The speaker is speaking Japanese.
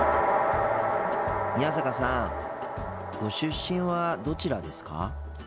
宮坂さんご出身はどちらですか？